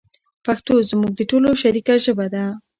پښتو زموږ د ټولو شریکه ژبه ده.